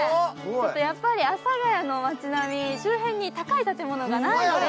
やっぱり阿佐ヶ谷の町並み、周辺に高い建物がないので。